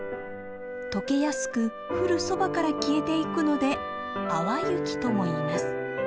解けやすく降るそばから消えていくので淡雪ともいいます。